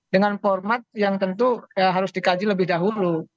dengan format yang tentu harus dikaji lebih dahulu